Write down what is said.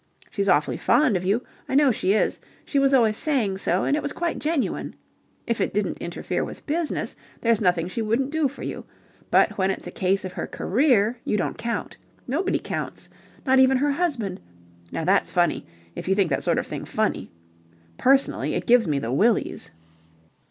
She's awfully fond of you. I know she is. She was always saying so, and it was quite genuine. If it didn't interfere with business there's nothing she wouldn't do for you. But when it's a case of her career you don't count. Nobody counts. Not even her husband. Now that's funny. If you think that sort of thing funny. Personally, it gives me the willies."